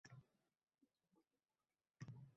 Aksiga olib ammam ham bizni xonadan quvib soldi